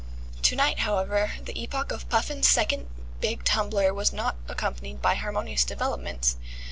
To night, however, the epoch of Puffin's second big tumbler was not accompanied by harmonious developments.